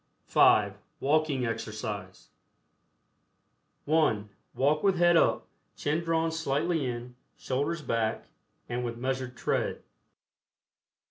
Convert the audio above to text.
(5) WALKING EXERCISE. (1) Walk with head up, chin drawn slightly in, shoulders back, and with measured tread.